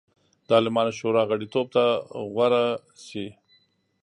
د عالمانو شورا غړیتوب ته غوره شي.